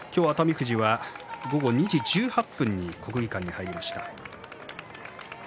富士は２時１８分に国技館に入りました。